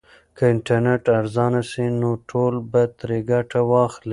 که انټرنیټ ارزانه سي نو ټول به ترې ګټه واخلي.